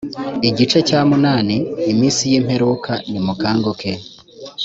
igice cya munani iminsi y’imperuka nimukanguke